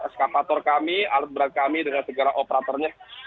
sk patok kami alat berat kami dengan segera operatornya